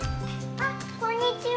あっこんにちは。